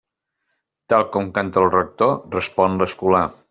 Tal com canta el rector, respon l'escolà.